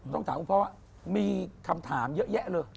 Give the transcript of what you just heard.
ต้องถามคุณพ่อว่ามีคำถามเยอะแยะเลย